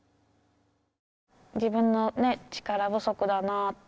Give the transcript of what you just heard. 自分のね力不足だなって